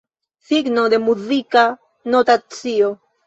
Signo de muzika notacio.